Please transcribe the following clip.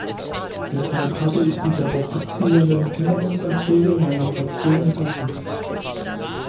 Deshalb habe ich die darauf abzielenden Änderungsanträge meiner Fraktion unterstützt.